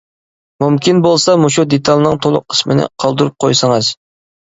مۇمكىن بولسا مۇشۇ دېتالنىڭ تولۇق ئىسمىنى قالدۇرۇپ قويسىڭىز.